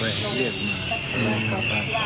ไม่มหาโทรไปเรียกขอบคุณมาพบ